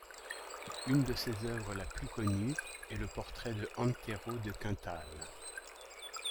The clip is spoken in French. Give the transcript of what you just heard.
Une de ses œuvres la plus connue est le portrait de Antero de Quental.